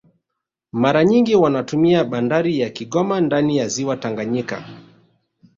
Mara nyingi wanatumia bandari ya Kigoma ndani ya ziwa Tanganyika